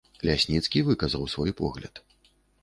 Лясніцкі выказаў свой погляд.